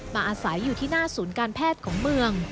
อาศัยอยู่ที่หน้าศูนย์การแพทย์ของเมือง